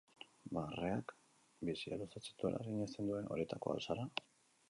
Barreak bizia luzatzen duela sinesten duen horietakoa al zara?